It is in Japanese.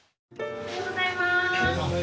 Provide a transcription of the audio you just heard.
おはようございます。